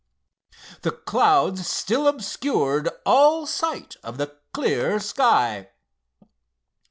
The clouds still obscured all sight of the clear sky.